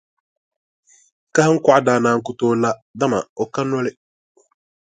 Kahiŋkɔɣu daa naan ku tooi la, dama o ka noli.